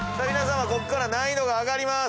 ここから難易度が上がります。